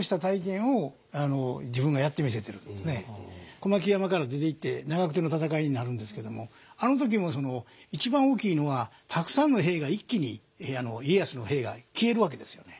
小牧山から出ていって長久手の戦いになるんですけどもあの時も一番大きいのはたくさんの兵が一気に家康の兵が消えるわけですよね。